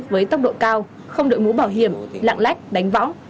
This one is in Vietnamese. với tốc độ cao không đội mũ bảo hiểm lạng lách đánh võng